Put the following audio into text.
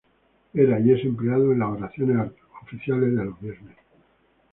Era y es empleado en las oraciones oficiales de los viernes.